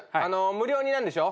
無料になんでしょ？